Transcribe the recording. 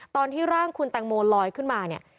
ตอนที่ร่างคุณแตงโมลอยขึ้นมาเนี่ย